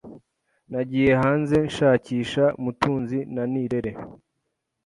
Nagiye hanze nshakisha Mutunzi na Nirere.